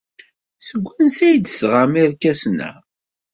Seg wansi ay d-tesɣam irkasen-a?